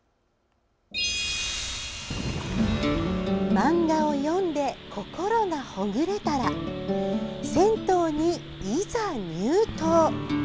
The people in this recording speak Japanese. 漫画を読んで心がほぐれたら銭湯にいざ入湯！